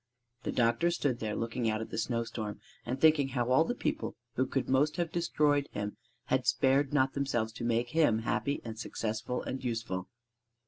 The doctor stood there, looking out at the snowstorm and thinking how all the people who could most have destroyed him had spared not themselves to make him happy and successful and useful.